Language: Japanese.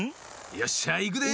よっしゃいくで！